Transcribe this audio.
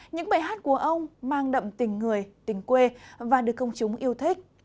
những bài hát của ông mang đậm tình người tình quê và được công chúng yêu thích